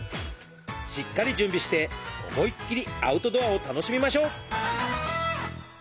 しっかり準備して思いっきりアウトドアを楽しみましょう！